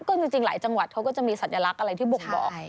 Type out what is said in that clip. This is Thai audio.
ก็จริงหลายจังหวัดเขาก็จะมีสัญลักษณ์อะไรที่บ่งบอก